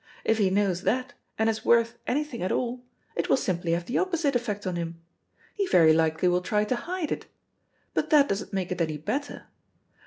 If he knows that, and is worth anything at all, it will simply have the opposite effect on him. He very likely will try to hide it; but that doesn't make it any better.